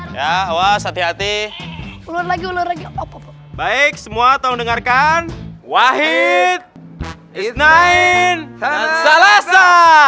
ya was hati hati ulur lagi ulur lagi apa apa baik semua tolong dengarkan wahid isnain salasa